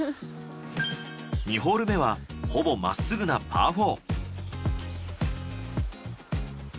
２ホール目はほぼまっすぐなパー４。